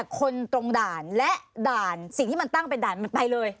คนตรงด่านและด่านสิ่งที่มันตั้งเป็นด่านมันไปเลย